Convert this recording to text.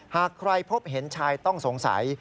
หากใครพบเห็นชายต้องสงสัย